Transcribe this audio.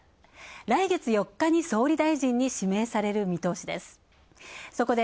来月４日に総理大臣に指名される見通しです。